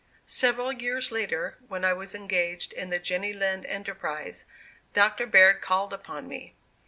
Several years later, when I was engaged in the Jenny Lind enterprise, Doctor Baird called upon me.